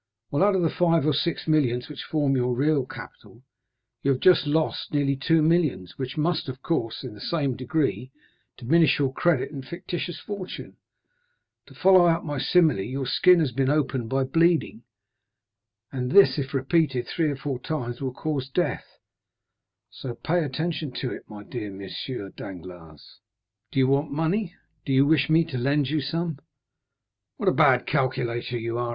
Well, out of the five or six millions which form your real capital, you have just lost nearly two millions, which must, of course, in the same degree diminish your credit and fictitious fortune; to follow out my simile, your skin has been opened by bleeding, and this if repeated three or four times will cause death—so pay attention to it, my dear Monsieur Danglars. Do you want money? Do you wish me to lend you some?" 30253m "What a bad calculator you are!"